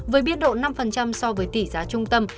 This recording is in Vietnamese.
với biên độ năm so với tỷ giá trung tâm